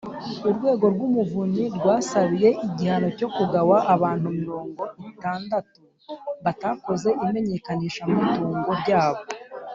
urwego rw’umuvunyi rwasabiye igihano cyo kugawa abantu mirongo itandatu batakoze imenyekanishamutungo ryabo